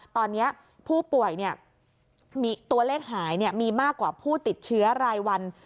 ตอนนี้ผู้ป่วยมีตัวเลขหายมีมากกว่าผู้ติดเชื้อรายวัน